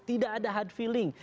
tidak ada hard feeling